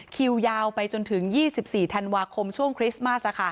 คิวยาวไปจนถึง๒๔ธันวาคมช่วงคริสต์มัส